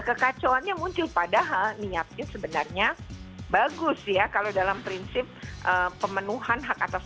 kekacauannya muncul padahal niatnya sebenarnya bagus ya kalau dalam prinsip pemenuhan hak atas